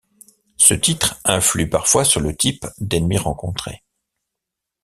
Ce titre influe parfois sur le type d'ennemis rencontrés.